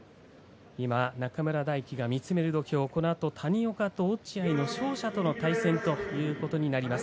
中村泰輝が見つめる土俵このあと谷岡と落合との勝者との対戦ということになります。